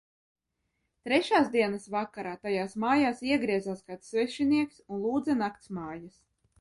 Trešās dienas vakarā tajās mājās iegriezās kāds svešinieks un lūdza naktsmājas.